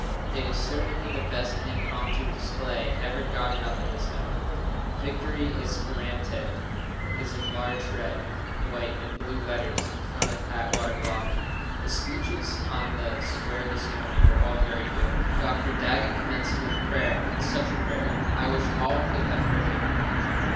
It is certainly the best impromptu display ever gotten up in this town. "Victory is Grant ed," is in large red, white and blue letters in front of Atwater Block. The speeches on the square this morning were all very good. Dr. Daggett commenced with prayer, and such a prayer, I wish all could have heard it.